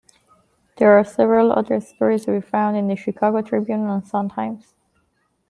There are several other stories to be found in the Chicago Tribune and Sun-Times.